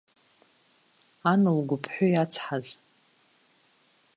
Ан лгәыԥҳәы иацҳаз.